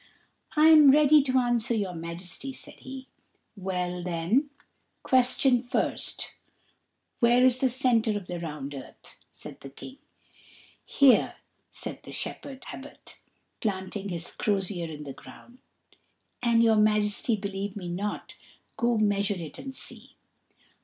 "I am ready to answer your Majesty," said he. "Well, then, question first where is the centre of the round earth?" said the King. "Here," said the shepherd Abbot, planting his crozier in the ground; "an' your Majesty believe me not, go measure it and see."